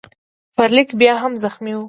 فلیریک بیا هم زخمی و.